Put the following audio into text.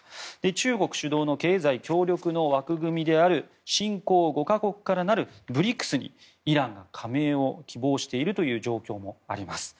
中国主導の経済協力の枠組みである新興５か国からなるＢＲＩＣＳにイランが加盟を希望している状況があります。